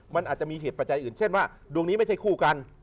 มันอาจจะมีเหตุปัจจัยอื่นเช่นว่าดวงนี้ไม่ใช่คู่กัน